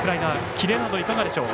キレなどいかがでしょう。